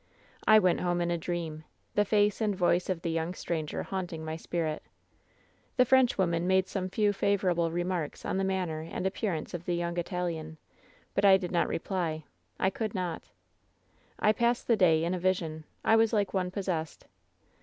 "I went home in a dream — the face and voice of tht young stranger haunting my spirit. "The Frenchwoman made some few favorable re marks on the manner and appearance of the young Italian ; but I did not reply — I could not. "I passed the day in a vision. I was like one pos sessed.